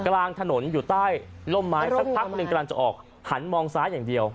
กลางถนนอยู่ใต้ร่มไม้สักพักหนึ่งกำลังจะออกหันมองซ้ายอย่างเดียว